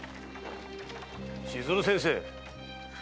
千鶴先生。